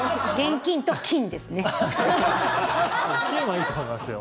金はいいと思いますよ。